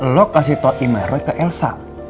lo kasih tau email roy ke elsa